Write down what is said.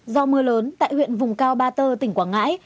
do mưa lớn tại huyện vùng cao ba tơ tỉnh quảng ngãi